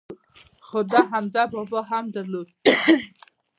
خو ده حمزه بابا هم درلود.